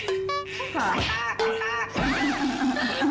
ไม่ตากไม่ตาก